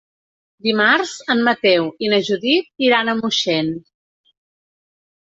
Dimarts en Mateu i na Judit iran a Moixent.